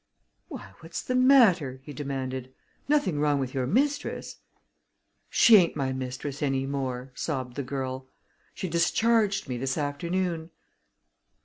"Why, what's the matter?" he demanded. "Nothing wrong with your mistress?" "She aint my mistress any more," sobbed the girl. "She discharged me this afternoon."